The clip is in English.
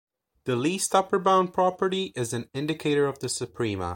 The least-upper-bound property is an indicator of the suprema.